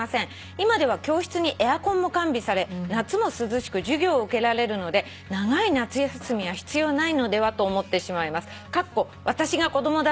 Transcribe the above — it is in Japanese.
「今では教室にエアコンも完備され夏も涼しく授業を受けられるので長い夏休みは必要ないのでは？と思ってしまいます」